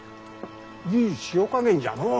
いい塩加減じゃのう！